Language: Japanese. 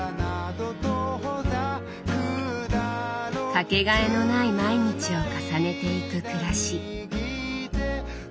掛けがえのない毎日を重ねていく暮らし。